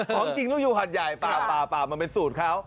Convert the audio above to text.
ของจริงต้องอยู่หัดใหญ่เปล่ามันเป็นสูตรเขา